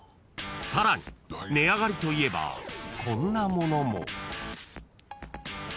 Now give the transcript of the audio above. ［さらに値上がりといえばこんなものも］